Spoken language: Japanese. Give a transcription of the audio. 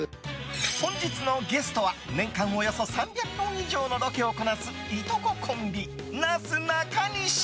本日のゲストは年間およそ３００本以上のロケをこなすいとこコンビ、なすなかにし。